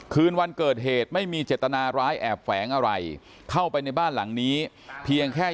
คืนวันเกิดเหตุไม่มีเจตนาร้ายแอบแฝงอะไรเข้าไปในบ้านหลังนี้เพียงแค่